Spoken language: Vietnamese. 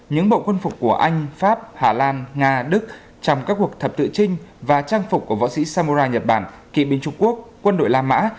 những bộ quân phục của anh pháp hà lan nga đức trong các cuộc thập tự trinh và trang phục của võ sĩ samora nhật bản kỵ binh trung quốc quân đội la mã